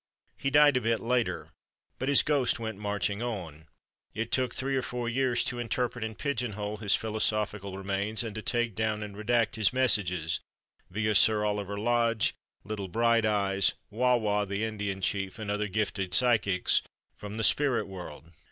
He died a bit later, but his ghost went marching on: it took three or four years to interpret and pigeon hole his philosophical remains and to take down and redact his messages (via Sir Oliver Lodge, Little Brighteyes, Wah Wah the Indian Chief, and other gifted psychics) from the spirit world.